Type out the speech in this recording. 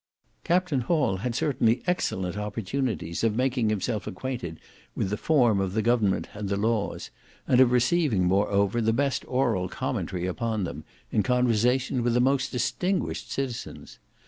Captain Hall had certainly excellent opportunities of making himself acquainted with the form of the government and the laws; and of receiving, moreover, the best oral commentary upon them, in conversation with the most distinguished citizens.